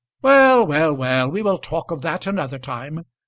"Well, well, well we will talk of that another time.